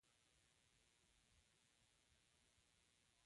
ایمان د ویرې ضد دی.